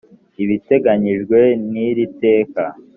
ibiteganyijwe n iri teka